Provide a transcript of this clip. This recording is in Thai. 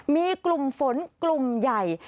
มีกลุ่มฝนกลุ่มใหญ่